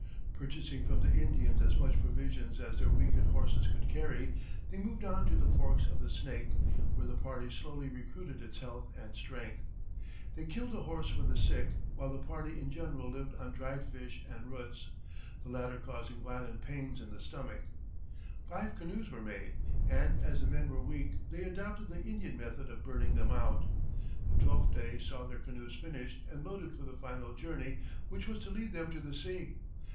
Purchasing from the Indians as much provisions as their weakened horses could carry, they moved on to the forks of the Snake, where the party slowly recruited its health and strength. They killed a horse for the sick, while the party in general lived on dried fish and roots, the latter causing violent pains in the stomach. Five canoes were made, and as the men were weak they adopted the Indian method of burning them out. The twelfth day saw their canoes finished and loaded for the final journey, which was to lead them to the sea.